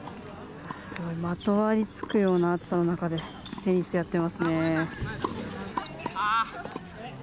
すごいまとわりつくような暑さの中で、テニスやってますね。